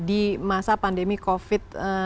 di masa pandemi covid sembilan belas